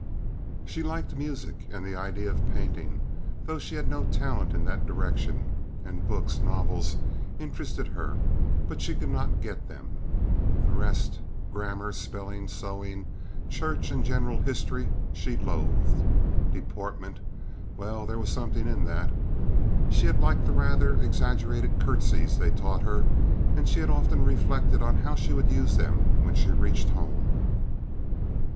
She liked music and the idea of painting, though she had no talent in that direction; and books, novels, interested her, but she could not get them. The rest—grammar, spelling, sewing, church and general history—she loathed. Deportment—well, there was something in that. She had liked the rather exaggerated curtsies they taught her, and she had often reflected on how she would use them when she reached home.